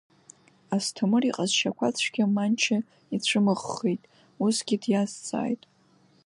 Асҭамыр иҟазшьақәа цәгьа Манча ицәымыӷххеит усгьы диазҵааит…